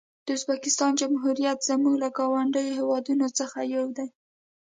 د ازبکستان جمهوریت زموږ له ګاونډیو هېوادونو څخه یو دی.